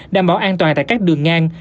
đảm bảo an toàn tại các đường ngang